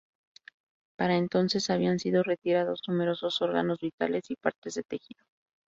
Para entonces habían sido retirados numerosos órganos vitales y partes de tejido.